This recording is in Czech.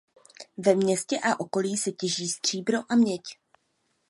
Ve městě a okolí se těží stříbro a měď.